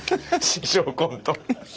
師匠コント。